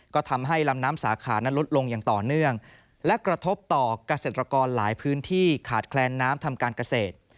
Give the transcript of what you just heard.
ก็ทำให้ลำน้ำสาขานั้นลดลงอย่างต่อเนื่องและกระทบต่อเกษตรกรหลายพื้นที่ขาดแคลนน้ำทำการเกษตร